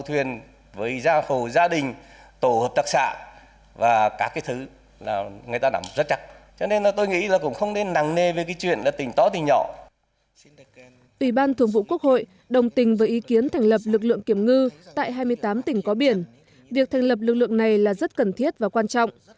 ủy ban thường vụ quốc hội đồng tình với ý kiến thành lập lực lượng kiểm ngư tại hai mươi tám tỉnh có biển việc thành lập lực lượng này là rất cần thiết và quan trọng